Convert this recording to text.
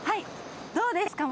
どうですか？